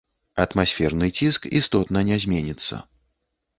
Атмасферны ціск істотна не зменіцца.